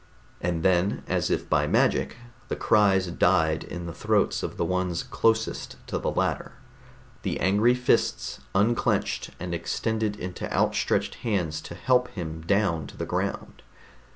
And then as if by magic the cries died in the throats of the ones closest to the ladder. The angry fists unclenched, and extended into outstretched hands to help him down to the ground.